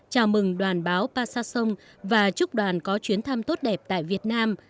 chào mừng đoàn báo passa son và chúc đoàn có chuyến thăm tốt đẹp tại việt nam